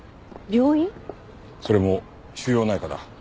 それも腫瘍内科だ。